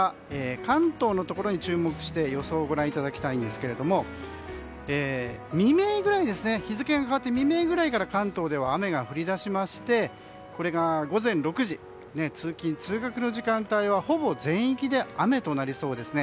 関東のところに注目して予想をご覧いただきたいんですけど日付が変わって未明くらいに関東では雨が降り出しましてこれが午前６時通勤・通学の時間帯はほぼ全域で雨となりそうですね。